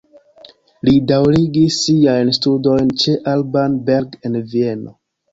Li daŭrigis siajn studojn ĉe Alban Berg en Vieno.